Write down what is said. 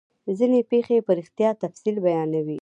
ځیني پیښې په زیات تفصیل بیانوي.